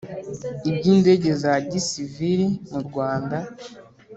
iby indege za gisivili mu Rwanda